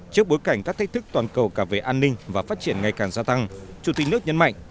trước bối cảnh các thách thức toàn cầu cả về an ninh và phát triển ngày càng gia tăng chủ tịch nước nhấn mạnh